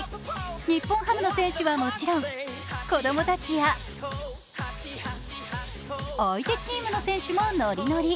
日本ハムの選手はもちろん子どもたちや相手チームの選手もノリノリ。